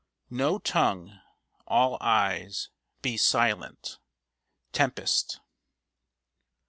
No tongue all eyes; be silent. TEMPEST.